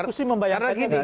aku sih membayar lagi